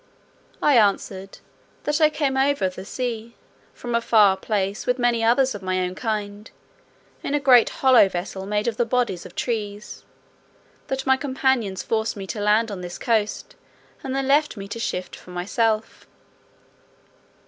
I answered, "that I came over the sea, from a far place, with many others of my own kind, in a great hollow vessel made of the bodies of trees: that my companions forced me to land on this coast, and then left me to shift for myself."